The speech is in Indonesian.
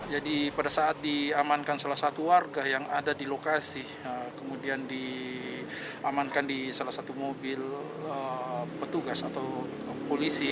jadi pada saat diamankan salah satu warga yang ada di lokasi kemudian diamankan di salah satu mobil petugas atau polisi